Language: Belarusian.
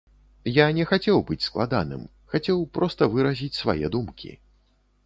Я не хацеў быць складаным, хацеў проста выразіць свае думкі.